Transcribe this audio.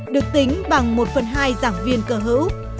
được tính bằng một phần hai giảng viên cơ hữu